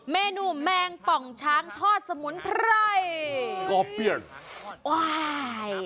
เมนูแมงปองช้างทอดสมุนไพร